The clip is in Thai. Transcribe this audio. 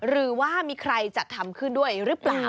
หรือว่ามีใครจัดทำขึ้นด้วยหรือเปล่า